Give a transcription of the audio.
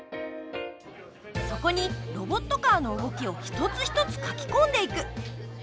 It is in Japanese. そこにロボットカーの動きを一つ一つ書き込んでいく。